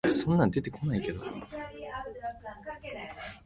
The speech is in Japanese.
彼は彼の友に揶揄せられたる結果としてまず手初めに吾輩を写生しつつあるのである